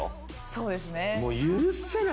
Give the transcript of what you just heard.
そうですね。